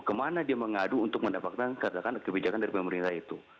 kemana dia mengadu untuk mendapatkan katakan kebijakan dari pemerintah itu